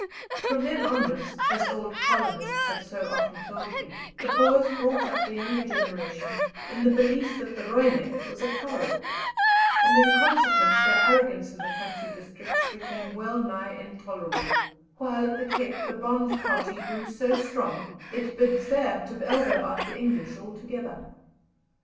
From then onwards, as old colonists have so often told me, the Boers brought up the younger generation in the belief that the "Roinek" was a coward, and in consequence their arrogance in the country districts became wellnigh intolerable, while at the Cape the Bond party grew so strong it bid fair to elbow out the English altogether.